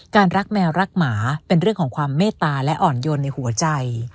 รักแมวรักหมาเป็นเรื่องของความเมตตาและอ่อนโยนในหัวใจ